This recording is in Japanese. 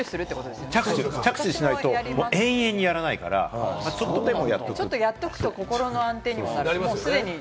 着手しないと延々とやらないちょっとやっとくと心の安定にもなるし。